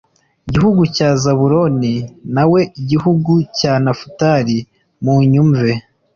Gihugu cya Zabuloni nawe gihugu cya Nafutali munyumve